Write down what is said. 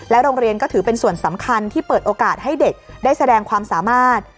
โรงเรียนก็ถือเป็นส่วนสำคัญที่เปิดโอกาสให้เด็กได้แสดงความสามารถ